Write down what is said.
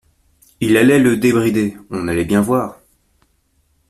Il allait le débrider. On allait bien voir.